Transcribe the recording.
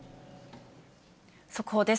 速報です。